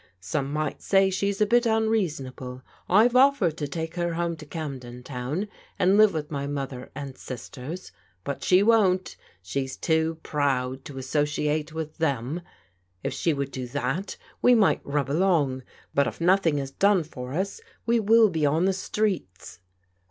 Some might say she's a bit unreasonable. I've offered to take her home JIM'S APPEAL FOR HELP 279 to Camden Town, and live with my mother and sisters, but she won't ; she's too proud to associate with them. If she would do that, we might rub along, but if nothing is done for us we will be on the streets."